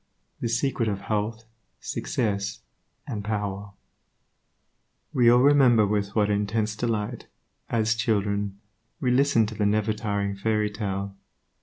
The secret of health, success and power We all remember with what intense delight, as children, we listened to the nevertiring fairy tale.